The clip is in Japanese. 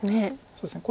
そうですね